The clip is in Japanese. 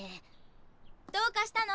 どうかしたの？